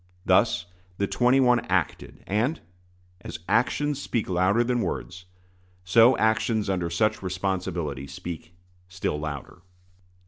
Thus the twenty one acted; and, as actions speak louder than words, so actions under such responsibility speak still louder.